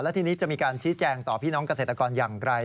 ทีนี้จะมีการชี้แจงต่อพี่น้องเกษตรกรอย่างไร